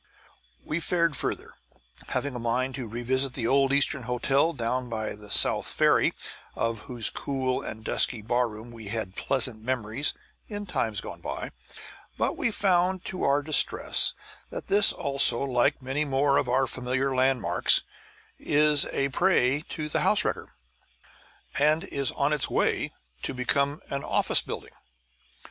We fared further, having a mind to revisit the old Eastern Hotel, down by the South Ferry, of whose cool and dusky bar room we had pleasant memories in times gone by; but we found to our distress that this also, like many more of our familiar landmarks, is a prey to the house wrecker, and is on its way to become an office building.